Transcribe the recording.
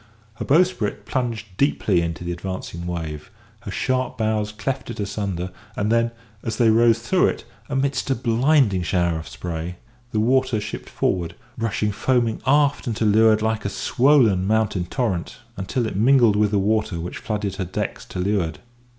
Her bowsprit plunged deeply into the advancing wave, her sharp bows cleft it asunder, and then, as they rose through it, amidst a blinding shower of spray, the water shipped forward, rushed foaming aft and to leeward like a swollen mountain torrent, until it mingled with the water which flooded her decks to leeward.